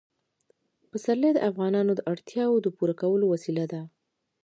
پسرلی د افغانانو د اړتیاوو د پوره کولو وسیله ده.